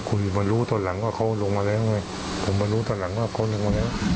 ที่บ้านเนี่ยที่มีใครเจอก็แล้วเอ้ยที่มากง้ายกลับมาที่นี่